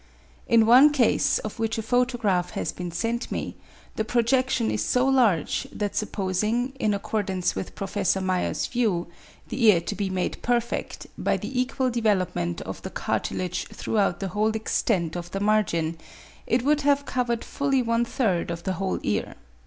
In one case, of which a photograph has been sent me, the projection is so large, that supposing, in accordance with Prof. Meyer's view, the ear to be made perfect by the equal development of the cartilage throughout the whole extent of the margin, it would have covered fully one third of the whole ear.